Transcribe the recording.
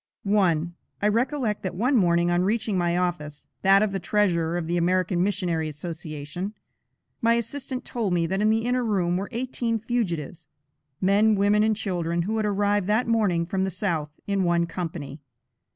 1. I recollect that one morning on reaching my office (that of the treasurer of the American Missionary Association), my assistant told me that in the inner room were eighteen fugitives, men, women and children, who had arrived that morning from the South in one company.